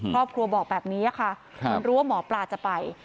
ครอบครัวบอกแบบนี้ค่ะเหมือนรู้ว่าหมอปลาจะไป